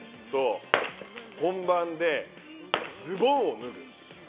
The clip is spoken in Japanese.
本番でズボンを脱ぐ。